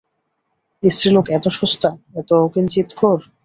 স্ত্রীলোক এত সস্তা, এত অকিঞ্চিৎকর!